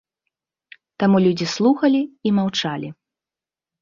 Таму людзі слухалі і маўчалі.